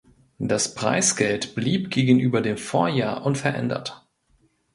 Das Preisgeld blieb gegenüber dem Vorjahr unverändert.